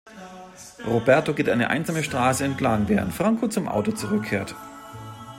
Roberto geht eine einsame Straße entlang, während Franco zum Auto zurückkehrt.